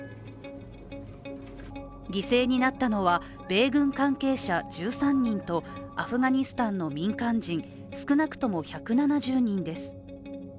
犠牲になったのは米軍関係者１３人とアフガニスタンの民間人、少なくとも１７０人です。